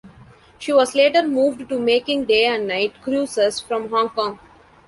She was later moved to making day and night cruises from Hong Kong.